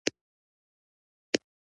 مچان کله کله ساه بندوي